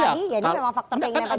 ya ini memang faktor keinginan pak jokowi